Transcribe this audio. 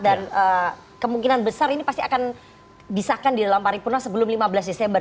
dan kemungkinan besar ini pasti akan disahkan di dalam paripurna sebelum lima belas desember